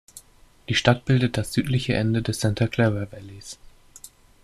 Die Stadt bildet das südliche Ende des Santa Clara Valleys.